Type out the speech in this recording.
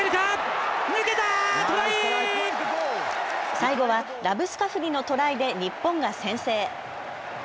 最後はラブスカフニのトライで日本が先制。